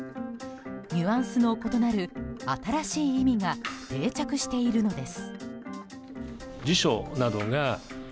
ニュアンスの異なる新しい意味が定着しているのです。